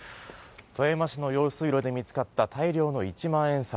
富山市の用水路で見つかった大量の一万円札。